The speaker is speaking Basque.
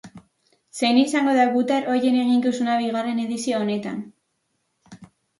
Zein izango da gutar ohien eginkizuna bigarren edizio honetan?